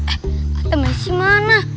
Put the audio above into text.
eh atau masih mana